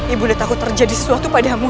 ibu udah tahu terjadi sesuatu padamu